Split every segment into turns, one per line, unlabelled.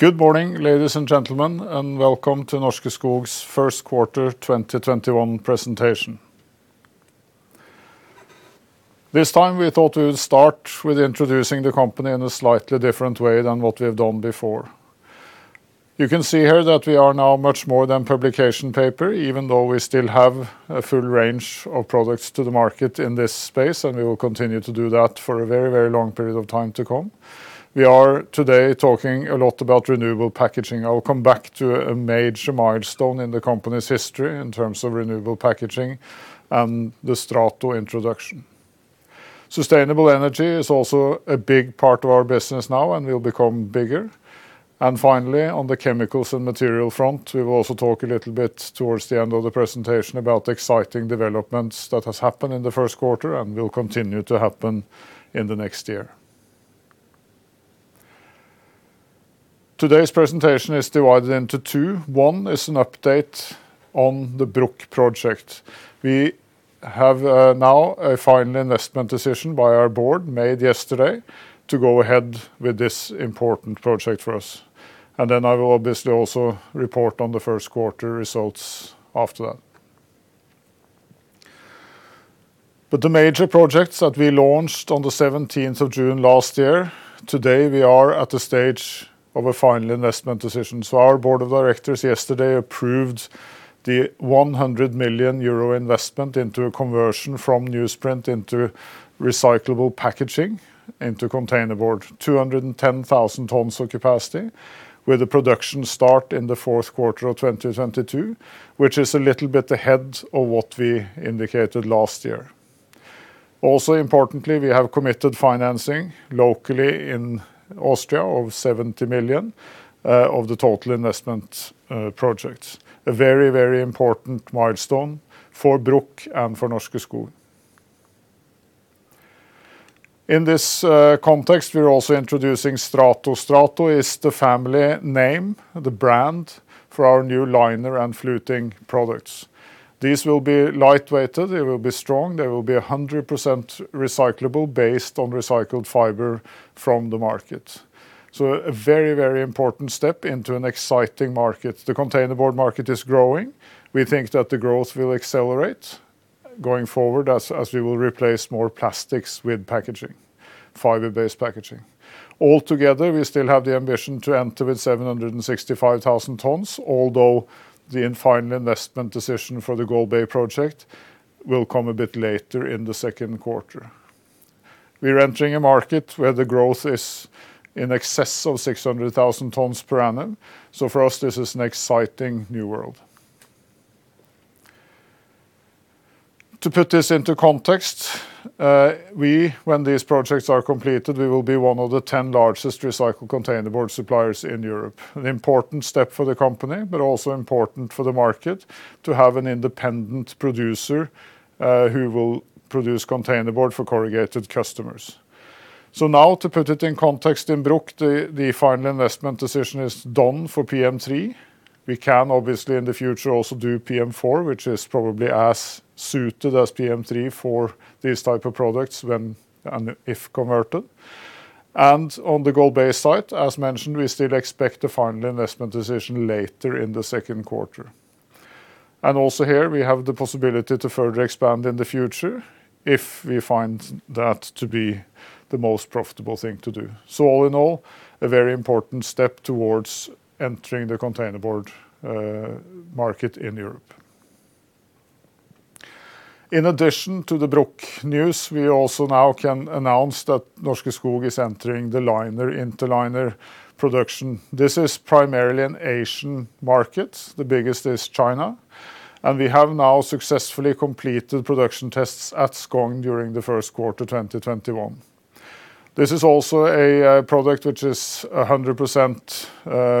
Good morning, ladies and gentlemen, and welcome to Norske Skog's Q1 2021 presentation. This time, we thought we would start with introducing the company in a slightly different way than what we have done before. You can see here that we are now much more than publication paper, even though we still have a full range of products to the market in this space, and we will continue to do that for a very long period of time to come. We are today talking a lot about renewable packaging. I will come back to a major milestone in the company's history in terms of renewable packaging and the Strato introduction. Sustainable energy is also a big part of our business now and will become bigger. Finally, on the chemicals and material front, we will also talk a little bit towards the end of the presentation about exciting developments that have happened in the Q1 and will continue to happen in the next year. Today's presentation is divided into two. One is an update on the Bruck project. We have now a final investment decision by our board made yesterday to go ahead with this important project for us. Then I will obviously also report on the Q1 results after that. The major projects that we launched on the June 17th last year, today we are at the stage of a final investment decision. Our board of directors yesterday approved the 100 million euro investment into a conversion from newsprint into recyclable packaging, into containerboard, 210,000 tons of capacity, with the production start in the Q4 of 2022, which is a little bit ahead of what we indicated last year. Importantly, we have committed financing locally in Austria of 70 million of the total investment projects. A very important milestone for Bruck and for Norske Skog. In this context, we're also introducing Strato. Strato is the family name, the brand for our new liner and fluting products. These will be lightweighted, they will be strong, they will be 100% recyclable based on recycled fiber from the market. A very important step into an exciting market. The containerboard market is growing. We think that the growth will accelerate going forward as we will replace more plastics with fiber-based packaging. We still have the ambition to enter with 765,000 tons, although the final investment decision for the Golbey project will come a bit later in the Q2. We're entering a market where the growth is in excess of 600,000 tons per annum. For us, this is an exciting new world. To put this into context, when these projects are completed, we will be one of the 10 largest recycled containerboard suppliers in Europe, an important step for the company, but also important for the market to have an independent producer who will produce containerboard for corrugated customers. Now to put it in context, in Bruck, the final investment decision is done for PM3. We can obviously in the future also do PM4, which is probably as suited as PM3 for these type of products when and if converted. On the Golbey side, as mentioned, we still expect the final investment decision later in the Q2. Also here, we have the possibility to further expand in the future if we find that to be the most profitable thing to do. All in all, a very important step towards entering the containerboard market in Europe. In addition to the Bruck news, we also now can announce that Norske Skog is entering the liner, interliner production. This is primarily an Asian market. The biggest is China, and we have now successfully completed production tests at Skogn during the Q1 2021. This is also a product which is 100%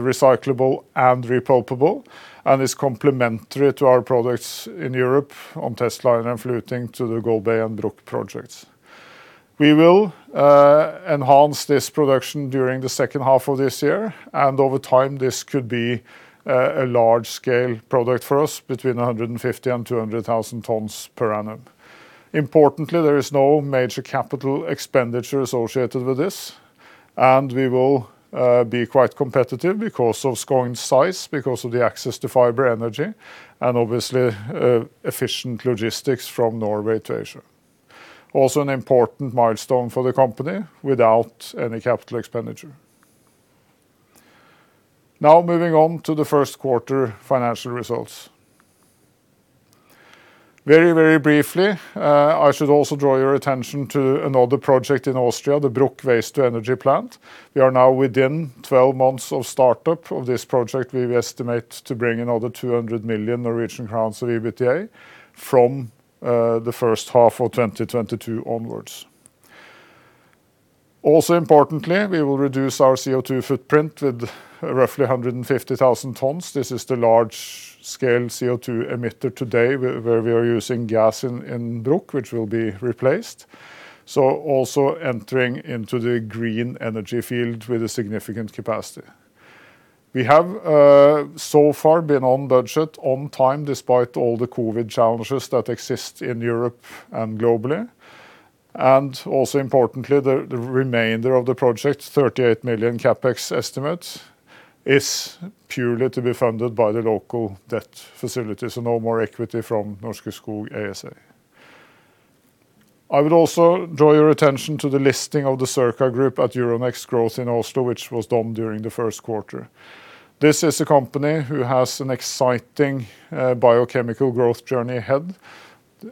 recyclable and repulpable and is complementary to our products in Europe on testliner and fluting to the Golbey and Bruck projects. We will enhance this production during the H2 of this year. Over time, this could be a large-scale product for us, between 150,000 and 200,000 tons per annum. Importantly, there is no major capital expenditure associated with this. We will be quite competitive because of Skogn's size, because of the access to fiber energy, and obviously efficient logistics from Norway to Asia. Also an important milestone for the company without any capital expenditure. Moving on to the Q1 financial results. Very briefly, I should also draw your attention to another project in Austria, the Bruck waste-to-energy plant. We are now within 12 months of startup of this project. We estimate to bring another 200 million Norwegian crowns of EBITDA from the H1 of 2022 onwards. Importantly, we will reduce our CO2 footprint with roughly 150,000 tons. This is the large-scale CO2 emitter today where we are using gas in Bruck, which will be replaced. Also entering into the green energy field with a significant capacity. We have so far been on budget, on time, despite all the COVID challenges that exist in Europe and globally. Also importantly, the remainder of the project, 38 million CapEx estimate, is purely to be funded by the local debt facilities, so no more equity from Norske Skog ASA. I would also draw your attention to the listing of the Circa Group at Euronext Growth in Oslo, which was done during the Q1. This is a company who has an exciting biochemical growth journey ahead.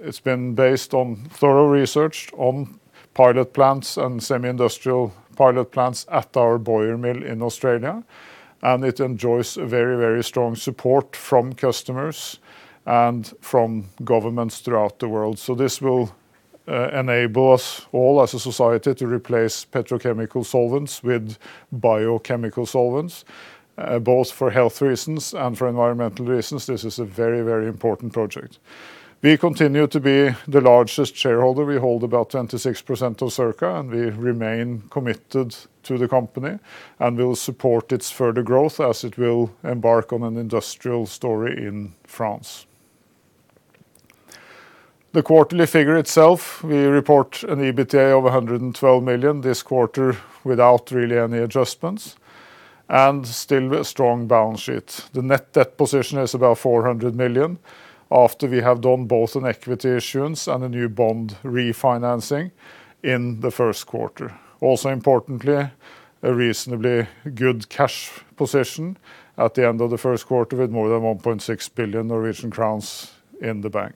It's been based on thorough research on pilot plants and semi-industrial pilot plants at our Boyer Mill in Australia. It enjoys very, very strong support from customers and from governments throughout the world. This will enable us all as a society to replace petrochemical solvents with biochemical solvents, both for health reasons and for environmental reasons. This is a very, very important project. We continue to be the largest shareholder. We hold about 26% of Circa, and we remain committed to the company and will support its further growth as it will embark on an industrial story in France. The quarterly figure itself, we report an EBITDA of 112 million this quarter without really any adjustments, and still with strong balance sheet. The net debt position is about 400 million, after we have done both an equity issuance and a new bond refinancing in the Q1. Also importantly, a reasonably good cash position at the end of the first quarter, with more than 1.6 billion Norwegian crowns in the bank.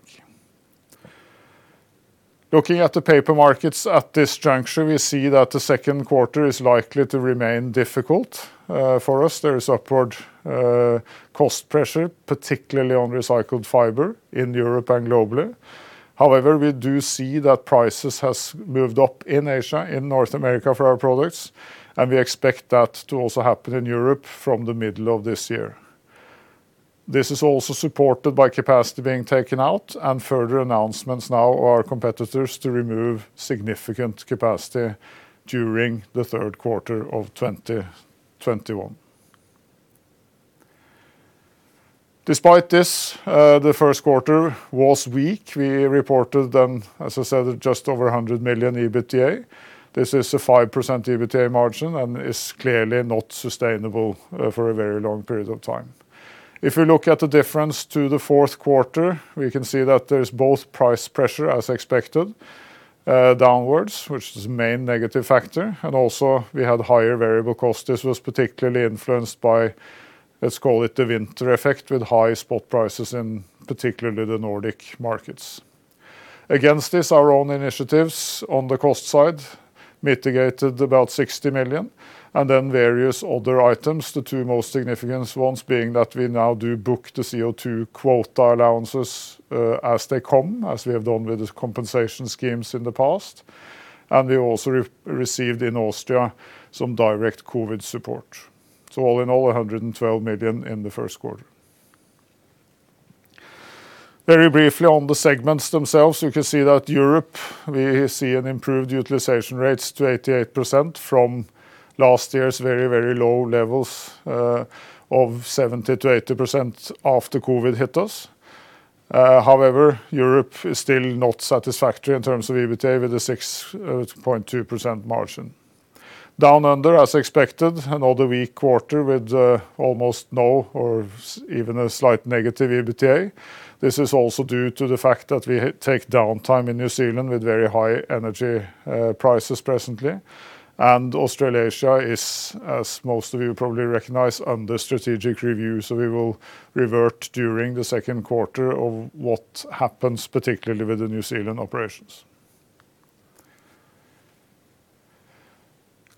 Looking at the paper markets at this juncture, we see that the Q2 is likely to remain difficult. For us, there is upward cost pressure, particularly on recycled fiber in Europe and globally. We do see that prices have moved up in Asia, in North America for our products, and we expect that to also happen in Europe from the middle of this year. This is also supported by capacity being taken out and further announcements now of our competitors to remove significant capacity during the Q3 of 2021. Despite this, the Q1 was weak. We reported then, as I said, just over 100 million EBITDA. This is a 5% EBITDA margin and is clearly not sustainable for a very long period of time. If you look at the difference to the Q4, we can see that there's both price pressure, as expected, downwards, which is the main negative factor. Also we had higher variable costs. This was particularly influenced by, let's call it the winter effect, with high spot prices in particularly the Nordic markets. Against this, our own initiatives on the cost side mitigated about 60 million, and then various other items, the two most significant ones being that we now do book the CO2 quota allowances as they come, as we have done with the compensation schemes in the past, and we also received in Austria some direct COVID support. All in all, 112 million in the Q1. Very briefly on the segments themselves, you can see that Europe, we see an improved utilization rates to 88% from last year's very, very low levels of 70%-80% after COVID hit us. Europe is still not satisfactory in terms of EBITDA, with a 6.2% margin. Down Under, as expected, another weak quarter with almost no or even a slight negative EBITDA. This is also due to the fact that we take downtime in New Zealand with very high energy prices presently. Australasia is, as most of you probably recognize, under strategic review. We will revert during the Q2 of what happens, particularly with the New Zealand operations.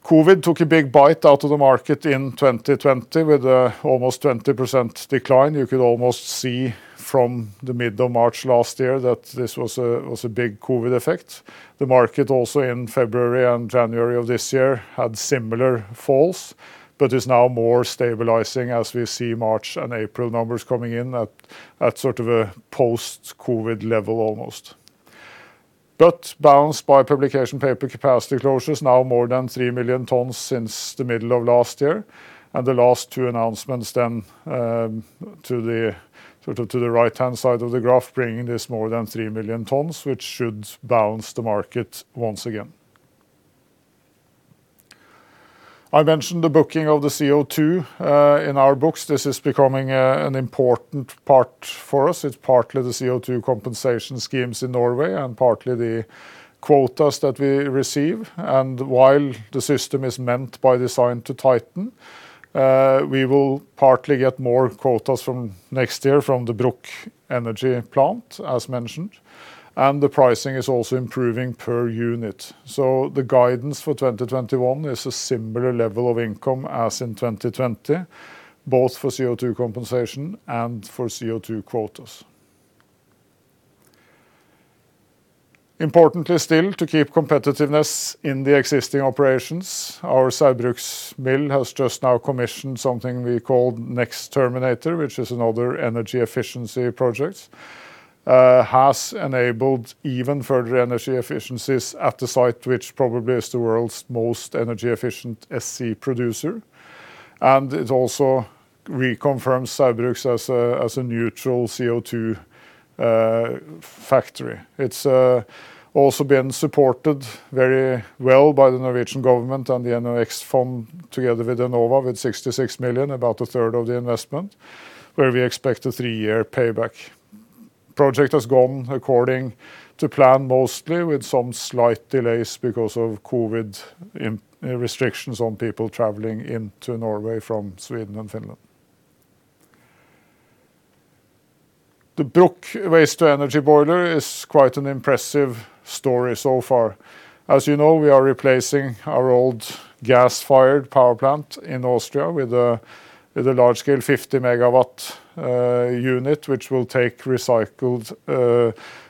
COVID took a big bite out of the market in 2020 with almost 20% decline. You could almost see from the mid of March last year that this was a big COVID effect. The market also in February and January of this year had similar falls, but is now more stabilizing as we see March and April numbers coming in at sort of a post-COVID level almost. Balanced by publication paper capacity closures, now more than 3 million tons since the middle of last year. The last two announcements then to the right-hand side of the graph, bringing this more than 3 million tons, which should balance the market once again. I mentioned the booking of the CO2 in our books. This is becoming an important part for us. It's partly the CO2 compensation schemes in Norway and partly the quotas that we receive. While the system is meant by design to tighten, we will partly get more quotas from next year from the Bruck Energy plant, as mentioned, and the pricing is also improving per unit. The guidance for 2021 is a similar level of income as in 2020, both for CO2 compensation and for CO2 quotas. Importantly still, to keep competitiveness in the existing operations, our Saugbrugs mill has just now commissioned something we call Next Terminator, which is another energy efficiency project has enabled even further energy efficiencies at the site, which probably is the world's most energy efficient SC producer. It also reconfirms Saugbrugs as a neutral CO2 factory. It has also been supported very well by the Norwegian government and the Enova fund, together with Innova, with 66 million, about a third of the investment, where we expect a three-year payback. The project has gone according to plan mostly, with some slight delays because of COVID restrictions on people traveling into Norway from Sweden and Finland. The Bruck waste-to-energy boiler is quite an impressive story so far. As you know, we are replacing our old gas-fired power plant in Austria with a large-scale 50-MW unit, which will take recycled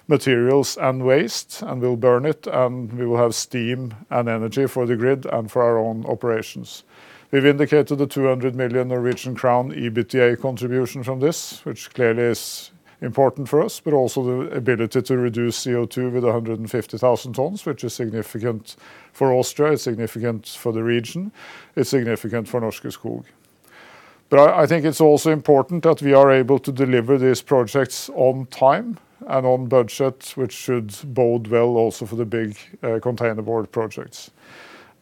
materials and waste and will burn it, and we will have steam and energy for the grid and for our own operations. We've indicated a 200 million Norwegian crown EBITDA contribution from this, which clearly is important for us, also the ability to reduce CO2 with 150,000 tons, which is significant for Austria, it's significant for the region, it's significant for Norske Skog. I think it's also important that we are able to deliver these projects on time and on budget, which should bode well also for the big containerboard projects.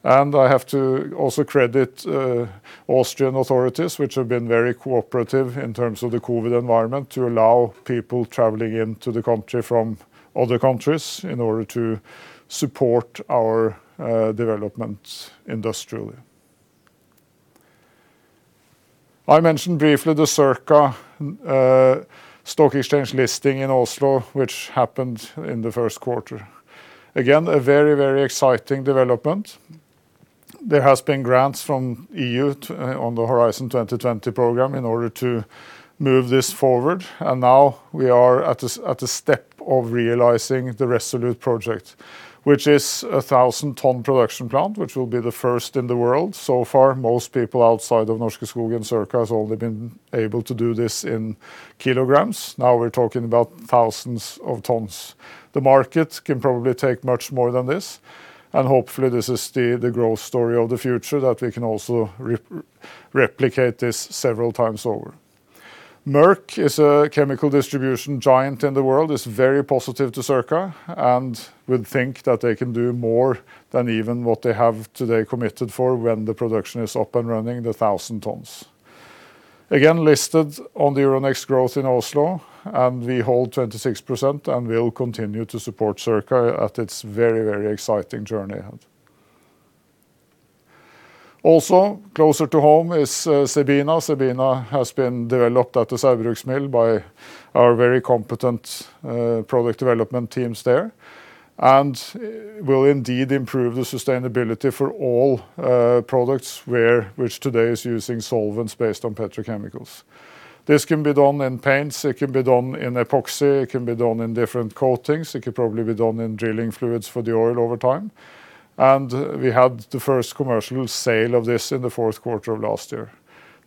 I have to also credit Austrian authorities, which have been very cooperative in terms of the COVID environment to allow people traveling into the country from other countries in order to support our development industrially. I mentioned briefly the Circa stock exchange listing in Oslo, which happened in the Q1. Again, a very exciting development. There has been grants from EU on the Horizon 2020 program in order to move this forward. Now we are at the step of realizing the ReSolute project, which is a 1,000-ton production plant, which will be the first in the world. So far, most people outside of Norske Skog and Circa has only been able to do this in kilograms. Now we're talking about thousands of tons. The market can probably take much more than this. Hopefully, this is the growth story of the future, that we can also replicate this several times over. Merck is a chemical distribution giant in the world, is very positive to Circa. Would think that they can do more than even what they have today committed for when the production is up and running the 1,000 tons. Listed on the Euronext Growth in Oslo. We hold 26% and will continue to support Circa at its very exciting journey ahead. Closer to home is CEBINA. CEBINA has been developed at the Saugbrugs mill by our very competent product development teams there. Will indeed improve the sustainability for all products which today is using solvents based on petrochemicals. This can be done in paints, it can be done in epoxy, it can be done in different coatings, it could probably be done in drilling fluids for the oil over time. We had the first commercial sale of this in the Q4 of last year.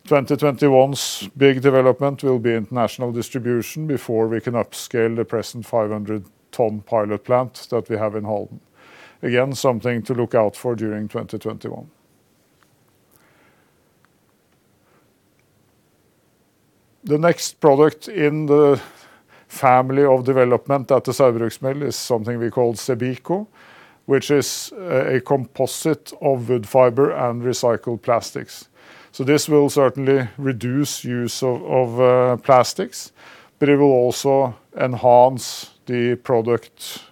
2021's big development will be international distribution before we can upscale the present 500-ton pilot plant that we have in Halden. Again, something to look out for during 2021. The next product in the family of development at the Saugbrugs mill is something we call CEBICO, which is a composite of wood fiber and recycled plastics. This will certainly reduce use of plastics, but it will also enhance the product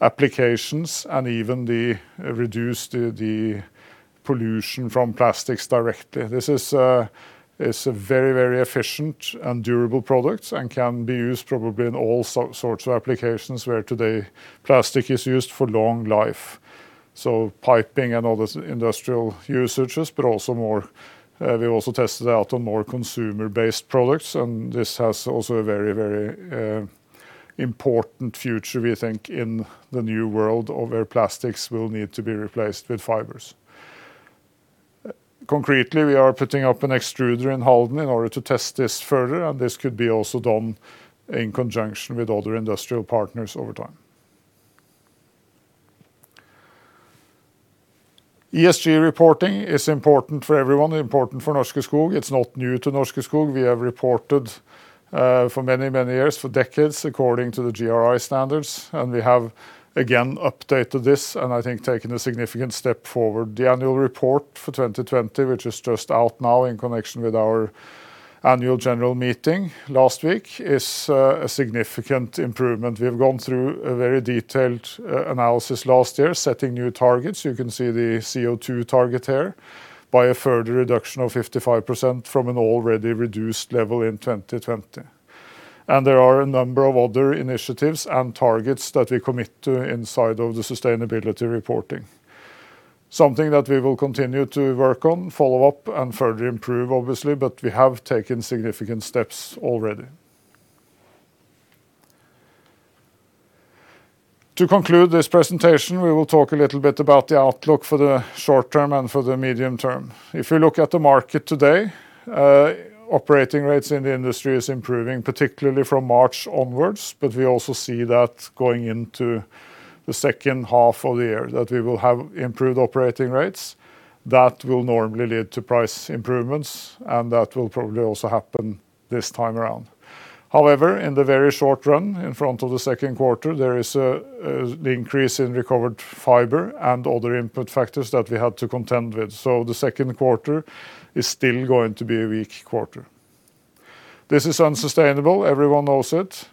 applications and even reduce the pollution from plastics directly. This is a very efficient and durable product and can be used probably in all sorts of applications where today plastic is used for long life, so piping and other industrial usages. We also tested out on more consumer-based products, and this has also a very important future, we think, in the new world where plastics will need to be replaced with fibers. Concretely, we are putting up an extruder in Halden in order to test this further, and this could be also done in conjunction with other industrial partners over time. ESG reporting is important for everyone, important for Norske Skog. It's not new to Norske Skog. We have reported for many years, for decades, according to the GRI standards, and we have again updated this and I think taken a significant step forward. The annual report for 2020, which is just out now in connection with our annual general meeting last week, is a significant improvement. We have gone through a very detailed analysis last year, setting new targets, you can see the CO2 target here, by a further reduction of 55% from an already reduced level in 2020. There are a number of other initiatives and targets that we commit to inside of the sustainability reporting. Something that we will continue to work on, follow up, and further improve, obviously, but we have taken significant steps already. To conclude this presentation, we will talk a little bit about the outlook for the short term and for the medium term. If you look at the market today, operating rates in the industry is improving, particularly from March onwards, but we also see that going into the H2 of the year, that we will have improved operating rates that will normally lead to price improvements, and that will probably also happen this time around. In the very short run, in front of the Q2, there is the increase in recovered fiber and other input factors that we had to contend with. The Q2 is still going to be a weak quarter. This is unsustainable. Everyone knows it.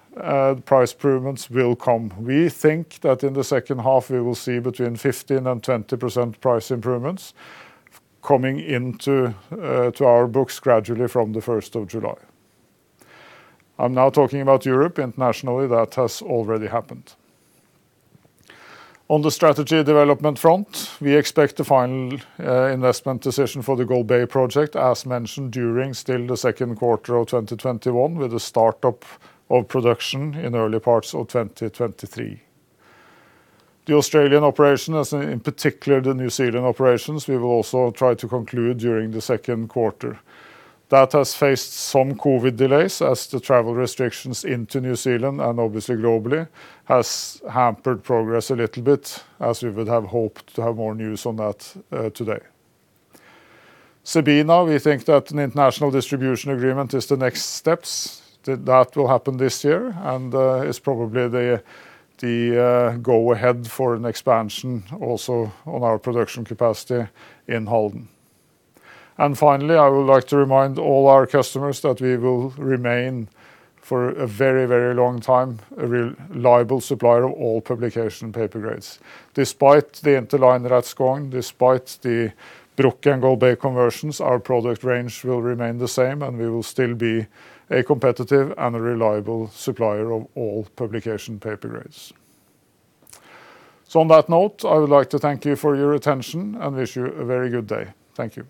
Price improvements will come. We think that in the H2, we will see between 15% and 20% price improvements coming into our books gradually from the July 1st. I'm now talking about Europe. Internationally, that has already happened. On the strategy development front, we expect the final investment decision for the Golbey project, as mentioned, during still the Q2 of 2021, with the start-up of production in early parts of 2023. The Australian operation, in particular the New Zealand operations, we will also try to conclude during the Q2. That has faced some COVID delays as the travel restrictions into New Zealand, and obviously globally, has hampered progress a little bit, as we would have hoped to have more news on that today. CEBINA, we think that an international distribution agreement is the next steps. That will happen this year and is probably the go-ahead for an expansion also on our production capacity in Halden. Finally, I would like to remind all our customers that we will remain, for a very long time, a reliable supplier of all publication paper grades. Despite the Interliner going, despite the Bruck and Golbey conversions, our product range will remain the same, and we will still be a competitive and reliable supplier of all publication paper grades. On that note, I would like to thank you for your attention and wish you a very good day. Thank you.